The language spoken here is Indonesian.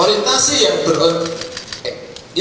orientasi yang berorientasi